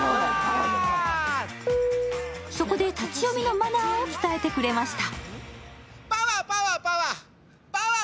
そこで、立ち読みのマナーを伝えてくれました。